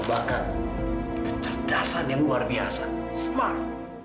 bahkan kecerdasan yang luar biasa smart